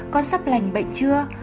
con sắp lành bệnh chưa